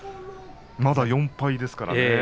まだ４敗ですからね。